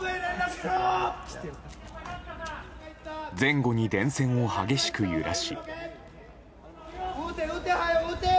前後に電線を激しく揺らし。